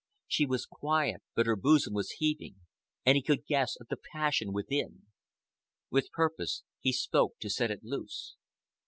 She was quiet, but her bosom was heaving, and he could guess at the passion within. With purpose he spoke to set it loose.